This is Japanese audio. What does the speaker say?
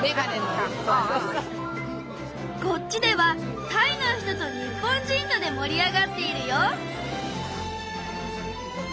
こっちではタイの人と日本人とでもり上がっているよ。